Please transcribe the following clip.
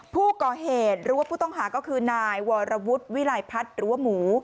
ผู้ก่อเหตุหรือว่าผู้ต้องหาก็คือนายวรวุฒิวิลัยพัฒน์หรือว่าหมู